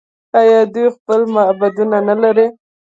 آیا دوی خپل معبدونه نلري؟